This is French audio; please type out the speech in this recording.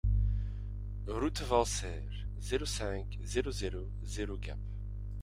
Route de Valserres, zéro cinq, zéro zéro zéro Gap